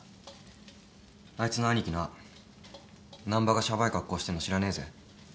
あいつのアニキな難破がシャバい格好してんの知らねえぜ。